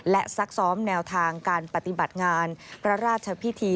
และซักซ้อมแนวทางการปฏิบัติงานพระราชพิธี